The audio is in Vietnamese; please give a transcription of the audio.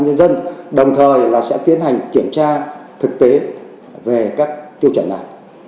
công an nhân dân đồng thời là sẽ tiến hành kiểm tra thực tế về các tiêu chuẩn này